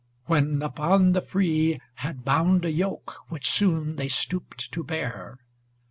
When upon the free Had bound a yoke, which soon they stooped to bear.